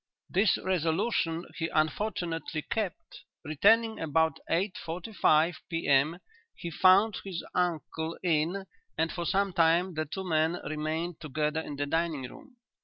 "'This resolution he unfortunately kept. Returning about eight forty five P.M. he found his uncle in and for some time the two men remained together in the dining room.